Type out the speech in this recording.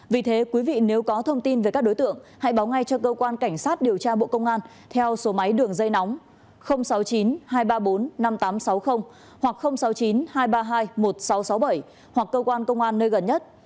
vì thế quý vị nếu có thông tin về các đối tượng hãy báo ngay cho cơ quan cảnh sát điều tra bộ công an theo số máy đường dây nóng sáu mươi chín hai trăm ba mươi bốn năm nghìn tám trăm sáu mươi hoặc sáu mươi chín hai trăm ba mươi hai một nghìn sáu trăm sáu mươi bảy hoặc cơ quan công an nơi gần nhất